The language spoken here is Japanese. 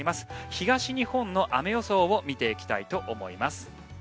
東日本の雨予想を見ていきたいと思います。